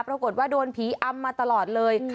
ปรากฏว่าโดนผีอำมาตลอดเลย